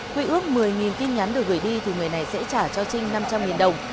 quy ước một mươi tin nhắn được gửi đi thì người này sẽ trả cho trinh năm trăm linh đồng